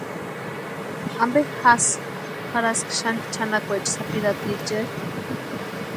¿Ampe jasï jarhaski xani chʼanakweecha sapirhaticheri?